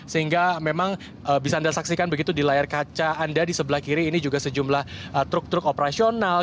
sehingga memang bisa anda saksikan begitu di layar kaca anda di sebelah kiri ini juga sejumlah truk truk operasional